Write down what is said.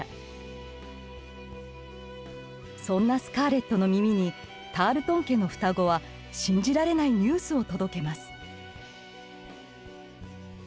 そんなスカーレットの耳にタールトン家の双子は信じられないニュースを届けます。